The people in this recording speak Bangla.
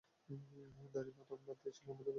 দাদিমা তখন বাড়িতেই ছিলেন, আমাদের দেখাশোনা করার জন্য।